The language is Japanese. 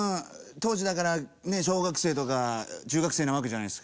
当時だからねえ小学生とか中学生なわけじゃないですか。